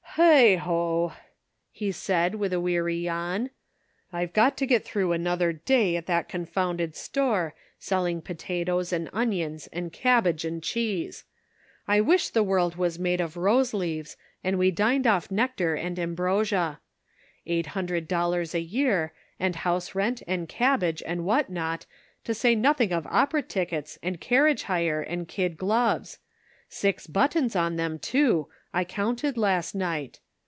" Heigh ho !" he said with a weary yawn, "I've got to get through another day at that confounded store, selling potatoes and onions Measured by Daylight. 283 and cabbage and cheese ! I wish the world was made of rose leaves and we dined off nectar and ambrosia. Eight hundred dollars a year, and house rent and cabbage and what not, to say nothing of opera tickets and carriage hire and kid gloves — six buttons on them, too, I counted last night